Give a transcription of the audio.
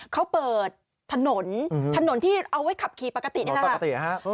เขาเปิดถนนถนนที่เอาไว้ขับขี่ปกตินะครับ